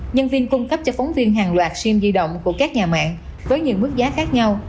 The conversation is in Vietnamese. nhân viên cung cấp cho phóng viên hàng loạt sim di động của các nhà mạng với nhiều mức giá khác nhau